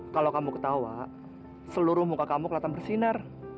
kalau kamu ketawa seluruh muka kamu kelihatan bersinar